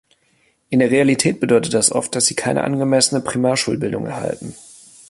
In der Realität bedeutet das oft, dass sie keine angemessene Primarschulbildung erhalten.